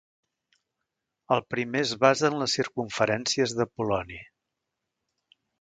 El primer es basa en les Circumferències d'Apol·loni.